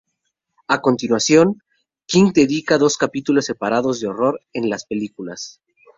A continuación, King dedica dos capítulos separados de horror en las películas.